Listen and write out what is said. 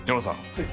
はい。